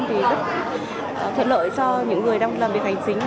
thì rất thuận lợi cho những người đang làm việc hành chính